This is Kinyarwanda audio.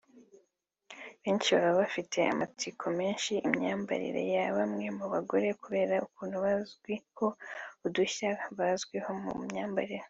benshi baba bafitiye amatsiko menshi imyambarire ya bamwe mu bagore kubera ukuntu bazwiho udushya bazwiho mu myambarire